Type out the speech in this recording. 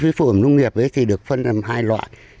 phế phụ nông nghiệp được phân làm hai loại